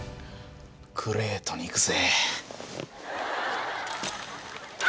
グレートにいくぜ。